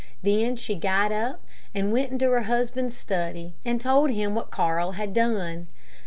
Then she got up and went into her husband's study, and told him what Carl had done.